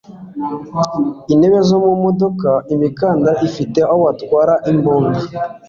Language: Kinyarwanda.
intebe zo mu modoka, imikandara ifite aho batwara imbunda